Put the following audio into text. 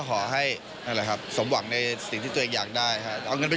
เขาบอกว่าเป็นอะไรนะ